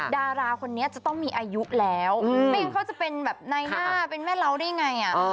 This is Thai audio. ดาราคนนี้จะต้องมีอายุแล้วไม่งั้นเขาจะเป็นแบบนายหน้าเป็นแม่เราได้ไง